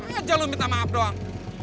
kenapa aja lo minta maaf doang